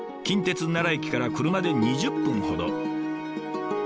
近鉄奈良駅から車で２０分ほど。